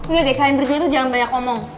yaudah kalian berdua tuh jangan banyak ngomong